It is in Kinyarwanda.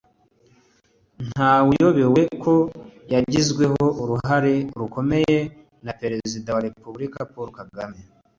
ntawe uyobewe ko yagizweho uruhare rukomeye na Perezida wa Repubulika Paul Kagame